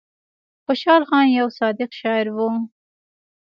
خوشال خان يو صادق شاعر وو ـ